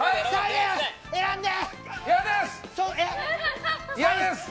選んで！